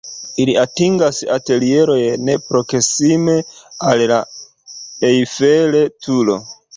Ili atingas atelieron proksime al la Eiffel-Turo.